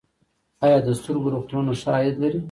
آیا د سترګو روغتونونه ښه عاید لري؟